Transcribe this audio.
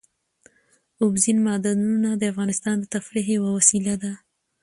اوبزین معدنونه د افغانانو د تفریح یوه وسیله ده.